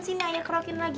sini ayah kerokin lagi